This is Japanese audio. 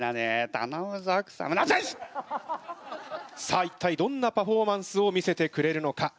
さあ一体どんなパフォーマンスを見せてくれるのか？